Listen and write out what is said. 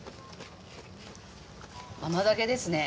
甘酒ですね。